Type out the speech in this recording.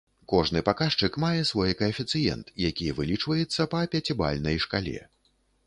Кожны паказчык мае свой каэфіцыент, які вылічваецца па пяцібальнай шкале.